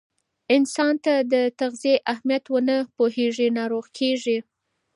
انسان که د تغذیې اهمیت ونه پوهیږي، ناروغ کیږي.